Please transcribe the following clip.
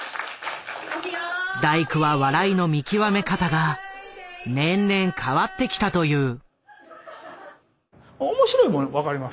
大工は笑いの見極め方が年々変わってきたという。